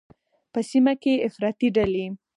په سیمه کې افراطي ډلې